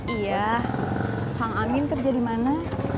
iya kang amin kerja dimana